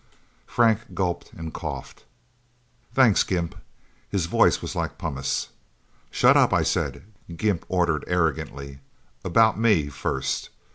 Frank gulped and coughed. "Thanks, Gimp." His voice was like pumice. "Shut up, I said!" Gimp ordered arrogantly. "About me first.